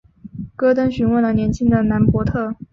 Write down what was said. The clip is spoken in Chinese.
戈登询问了年轻的兰伯特。